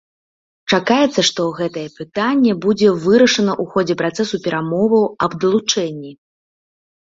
Чакаецца, што гэтае пытанне будзе вырашана ў ходзе працэсу перамоваў аб далучэнні.